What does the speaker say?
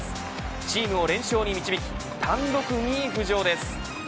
チームを連勝に導き単独２位浮上です。